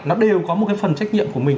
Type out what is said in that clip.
nó đều có một cái phần trách nhiệm của mình